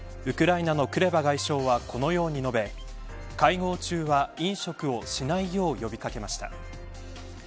ウクライナのクレバ外相はこのように述べ会合中は飲食をしないよう呼び掛けました。